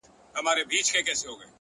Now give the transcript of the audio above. • هم مُلا هم گاونډیانو ته منلی,